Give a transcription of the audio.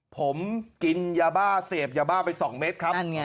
ผมกินยาบ้าเสพยาบ้าไป๒เม็ดครับ